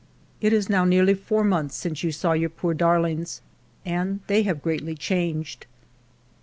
" It is now nearly four months since you saw your poor darlings, and they have greatly changed."